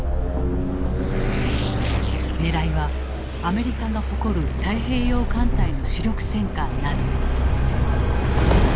狙いはアメリカが誇る太平洋艦隊の主力戦艦など。